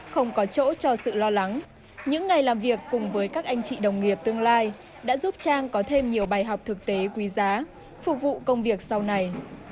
không có chỗ cho sự lo lắng những ngày làm việc cùng với các anh chị đồng nghiệp tương lai đã giúp trang có thêm nhiều bài học thực tế quý giá phục vụ công việc sau này